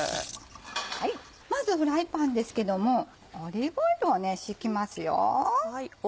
まずフライパンですけどもオリーブオイルを引きます。